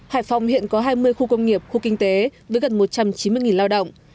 hải phòng hiện có hai mươi khu công nghiệp khu kinh tế với gần một trăm chín mươi lao động